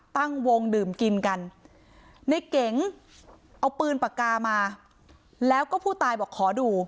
ตั้งวงดื่มกินกันในเก๋งเอาปืนปากกามาแล้วก็ผู้ตายบอกขอดู